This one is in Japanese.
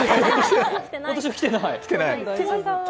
私は来てない。